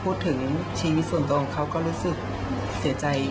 พูดถึงชีวิตส่วนตัวของเขาก็รู้สึกเสียใจ